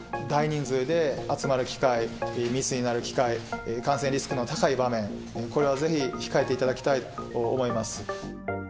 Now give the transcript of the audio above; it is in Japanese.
大人数で集まる機会、密になる機会、感染リスクの高い場面、これはぜひ控えていただきたいと思います。